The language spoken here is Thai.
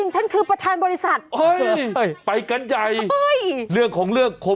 ชักกะบี่กะบอง